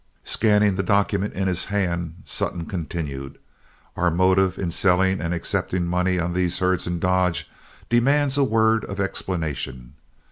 Scanning the document in his hand, Sutton continued: "Our motive in selling and accepting money on these herds in Dodge demands a word of explanation.